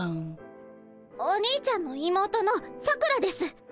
お兄ちゃんの妹のさくらです。